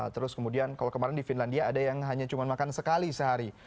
terus kemudian kalau kemarin di finlandia ada yang hanya cuma makan sekali sehari